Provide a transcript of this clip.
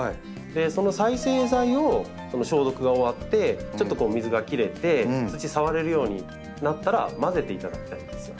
その再生材をこの消毒が終わってちょっと水が切れて土触れるようになったら混ぜていただきたいんですよ。